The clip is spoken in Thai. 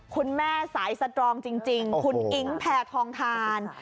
แม่สายสตรองจริงคุณอิ๊งแพทองทาน